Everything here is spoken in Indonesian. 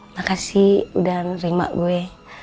makasih dan terima gue